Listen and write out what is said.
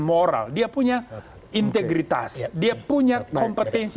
orang yang punya kompetensi